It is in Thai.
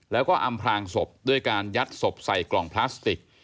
แล้วก็อำพลางศพด้วยการยัดศพใส่กล่องพลาสติก